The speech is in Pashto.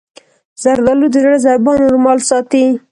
زردالو د زړه ضربان نورمال ساتي.